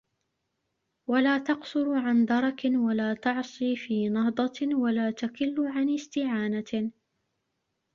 وَلَا تَقْصُرُ عَنْ دَرَكٍ وَلَا تَعْصِي فِي نَهْضَةٍ وَلَا تَكِلُّ عَنْ اسْتِعَانَةٍ